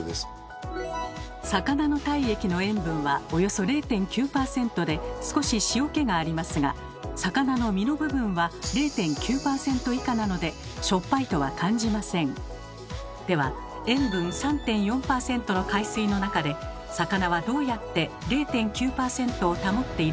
魚の体液の塩分はおよそ０．９％で少し塩気がありますが魚の身の部分は０．９％以下なのででは塩分３．４％の海水の中で魚はどうやって０．９％を保っているのでしょうか？